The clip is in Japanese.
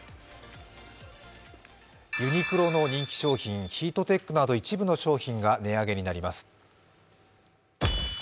ユニクロの人気商品・ヒートテックなど一部の商品が値上げになります。